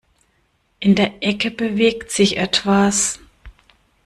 In der Ecke bewegt sich etwas.